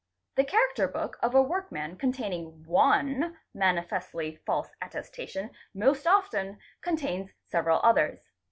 The character 'book of a workman containing one manifestly false attestation most often contains several others.